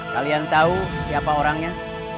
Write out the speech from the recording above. kalian tau siapa orangnya